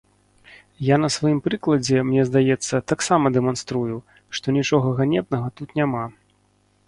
Я на сваім прыкладзе, мне здаецца, таксама дэманструю, што нічога ганебнага тут няма.